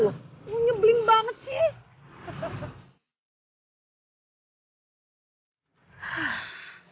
lo nyebelin banget sih